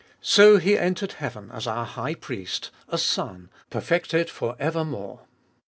So he entered heaven as our High Priest, a Son, perfected for evermore.